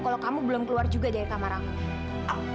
kalau kamu belum keluar juga dari kamar aku